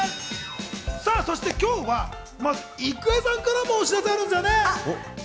そして今日は郁恵さんからもお知らせがあるんですよね。